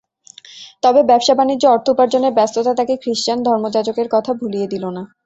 তবে ব্যবসা-বানিজ্য ও অর্থ উপার্জনের ব্যস্ততা তাঁকে খৃস্টান ধর্মযাজকের কথা ভুলিয়ে দিল না।